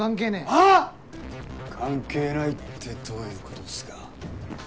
ああっ⁉関係ないってどういうことっすか。